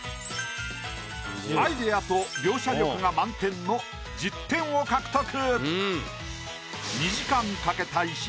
アイディアと描写力が満点の１０点を獲得。